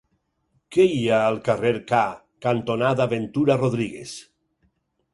Què hi ha al carrer K cantonada Ventura Rodríguez?